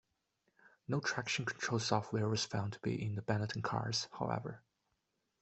No traction control software was found to be in the Benetton cars, however.